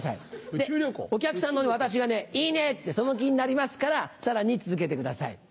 でお客さんの私が「いいね」ってその気になりますからさらに続けてください。